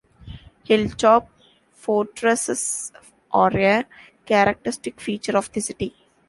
Hilltop fortresses are a characteristic feature of the city.